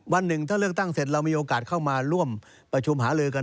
วันหนึ่งถ้าเลือกตั้งเสร็จเรามีโอกาสเข้ามาร่วมประชุมหาลือกัน